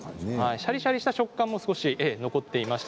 シャリシャリした食感も残っていました。